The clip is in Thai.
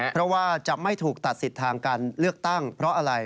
เพราะว่าจะไม่ถูกตัดสิทธิ์ทางการเลือกตั้งเพราะอะไร